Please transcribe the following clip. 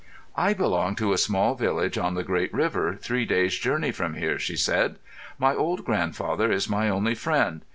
"I belong to a small village on the great river, three days' journey from here," she said. "My old grandfather is my only friend.